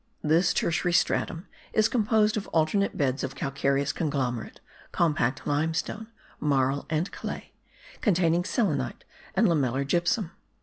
This tertiary stratum is composed of alternate beds of calcareous conglomerate, compact limestone, marl, and clay, containing selenite and lamellar gypsum.